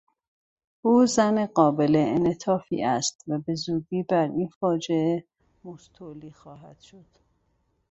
او زن قابل انعطافی است و بهزودی بر این فاجعه مستولی خواهد شد.